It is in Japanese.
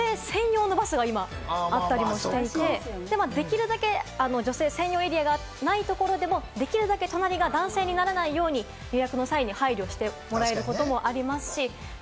例えばバスの一部を女性専用エリアにしたり、もはや女性専用のバスが今あったりもしていて、できるだけ女性専用エリアがないところでも、できるだけ隣が男性にならないように予約の際に配慮してもらえることもありますし。